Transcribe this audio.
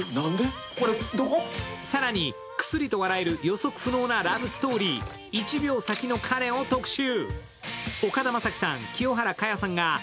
更に、くすりと笑える予測不能なラブストーリー、「１秒先の彼」を特集。